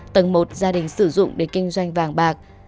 tầng một gia đình sử dụng để kinh doanh vàng bạc